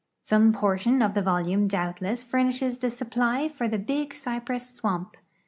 Some portion of the volume doul)tless furnishes the supply for tlie Big Cypress swam}).